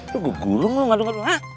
lu gua guru mau ngadungan lu ha